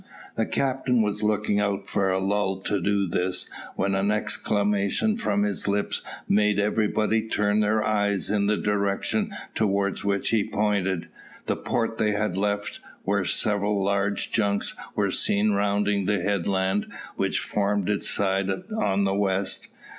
The captain was looking out for a lull to do this, when an exclamation from his lips made everybody turn their eyes in the direction towards which he pointed, the port they had left, where several large junks were seen rounding the headland which formed its side on the west.